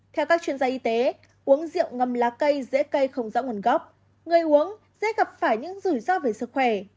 theo các chuyên gia y tế uống rượu ngầm lá cây dễ cây không rõ nguồn gốc người uống dễ gặp phải những rủi ro về sức khỏe